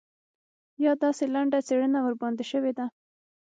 یا داسې لنډه څېړنه ورباندې شوې ده.